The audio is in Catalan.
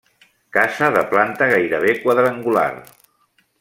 Casa de planta gairebé quadrangular.